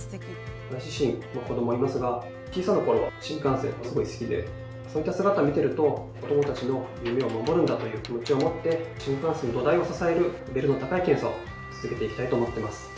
私自身、子どもがいますが、小さいなころ、新幹線がすごい好きで、そんな姿を見てると、子どもたちの夢を守るんだっていう気持ちを持って、新幹線の土台を支える、レベルの高い検査を続けていきたいと思っています。